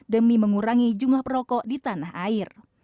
demi mengurangi jumlah perokok di tanah air